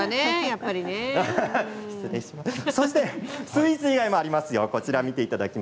スイーツ以外にもありますよ。